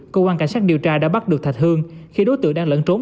cơ quan cảnh sát điều tra đã bắt được thạch hương khi đối tượng đang lẫn trốn